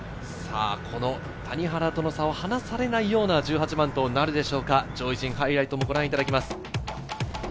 谷原との差を離されないような１８番となるでしょうか、上位陣、ハイライトをご覧いただきます。